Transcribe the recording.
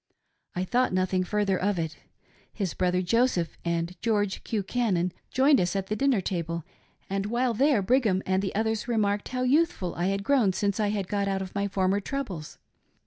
I thought nothing further of it. His brother Joseph and George Q. Cannon joined us at the dinner table, and while there Brigham and the others remarked how youthful I h«d grown since I had got out of my former troubles.